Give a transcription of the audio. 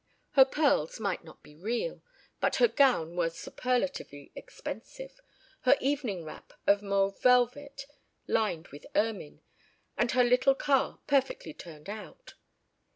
Her pearls might not be real, but her gown was superlatively expensive, her evening wrap of mauve velvet lined with ermine, and her little car perfectly turned out.